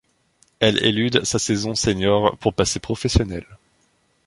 Elle élude sa saison senior pour passer professionnelle.